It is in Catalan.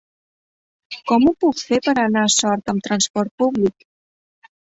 Com ho puc fer per anar a Sort amb trasport públic?